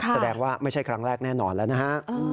แสดงว่าไม่ใช่ครั้งแรกแน่นอนแล้วนะฮะ